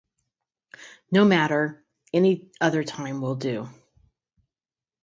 No matter, any other time will do.